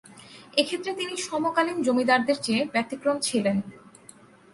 এক্ষেত্রে তিনি সমকালীন জমিদারদের চেয়ে ব্যতিক্রম ছিলেন।